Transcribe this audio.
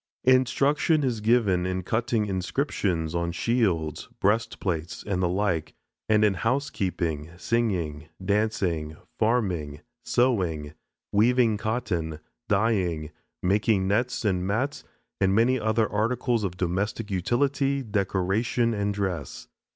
Instruction is given in cutting inscriptions on shields, breastplates, and the like, and in housekeeping, singing, dancing, farming, sewing, weaving cotton, dyeing, making nets and mats and many other articles of domestic utility, decoration, and dress.